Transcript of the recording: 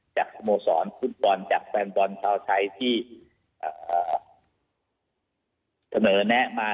สโมสรฟุตบอลจากแฟนบอลชาวไทยที่เสนอแนะมา